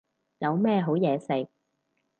有咩好嘢食